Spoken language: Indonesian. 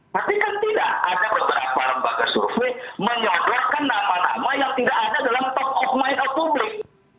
tapi kan tidak ada beberapa lembaga survei menyodorkan nama nama yang tidak ada dalam top of mind of publik